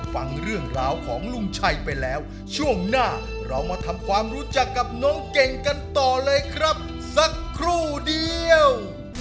ฟังเรื่องราวของลุงชัยไปแล้วช่วงหน้าเรามาทำความรู้จักกับน้องเก่งกันต่อเลยครับสักครู่เดียว